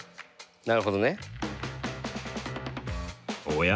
なるほどね。おや？